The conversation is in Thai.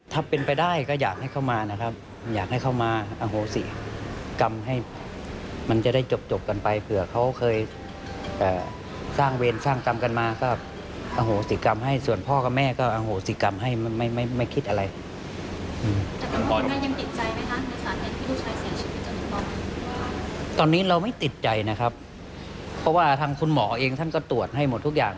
ทั้งคุณหมอเองท่านก็ตรวจให้หมดทุกอย่าง